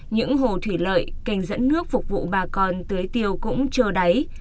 những hồ thủy lợi kênh dẫn nước phục vụ bà con tưới tiêu cũng trơ đáy